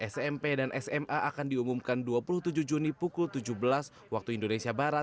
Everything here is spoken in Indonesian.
smp dan sma akan diumumkan dua puluh tujuh juni pukul tujuh belas wib